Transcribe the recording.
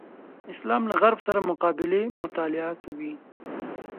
اسلام له غرب سره مقابلې مطالعه کوي.